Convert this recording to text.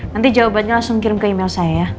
nanti jawabannya langsung kirim ke email saya ya